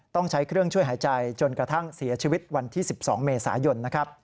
ต้องใช้เครื่องช่วยหายใจจนกระทั่งเสียชีวิตวันที่๑๒เมษายน